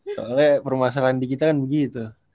soalnya permasalahan dikit kan begitu